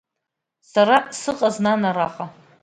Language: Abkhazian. Сара сыҟаз, нан, араҟа…